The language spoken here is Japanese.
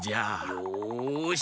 よし！